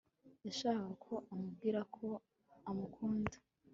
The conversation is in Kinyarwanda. yashakaga ko amubwira ko amukunda